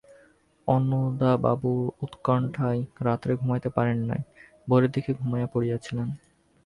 অন্নদাবাবু উৎকন্ঠায় রাত্রে ঘুমাইতে পারেন নাই, ভোরের দিকে ঘুমাইয়া পড়িয়াছিলেন।